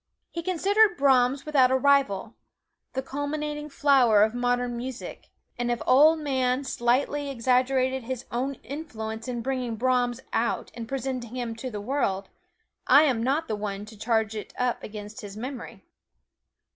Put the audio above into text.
He considered Brahms without a rival the culminating flower of modern music; and if the Ol' Man slightly exaggerated his own influence in bringing Brahms out and presenting him to the world, I am not the one to charge it up against his memory.